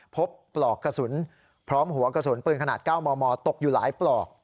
ปลอกกระสุนพร้อมหัวกระสุนปืนขนาด๙มมตกอยู่หลายปลอก